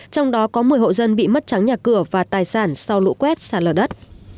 trong đó có một mươi hộ dân bị mất trắng nhà cửa và tài sản sau lũ quét sạt lở đất